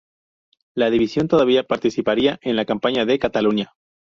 La división todavía participaría en la campaña de Cataluña.